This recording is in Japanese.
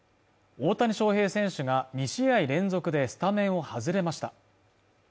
大谷翔平選手が２試合連続でスタメンを外れました